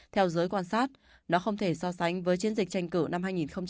theo giới quan sát nó không thể so sánh với chiến dịch tranh cử năm hai nghìn một mươi tám